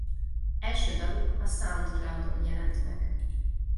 Első daluk a SoundCloud-on jelent meg.